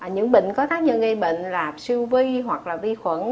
những bệnh có tác nhân gây bệnh rạp siêu vi hoặc là vi khuẩn